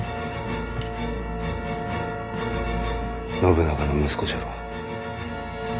信長の息子じゃろう。